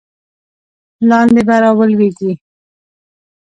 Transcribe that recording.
لاندې به را ولویږې.